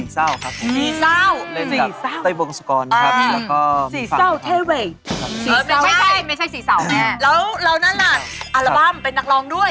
เขาบอกว่าเป็นทางนักร้องพิธีกรแสดง